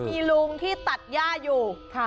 มีลุงที่ตัดย่าอยู่